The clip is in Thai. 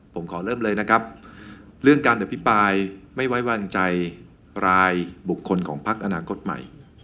ผมขอเริ่มเลยนะครับเรื่องการอภิปรายไม่ไว้วางใจรายบุคคลของพักอนาคตใหม่